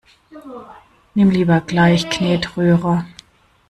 Nimm lieber gleich Knetrührer!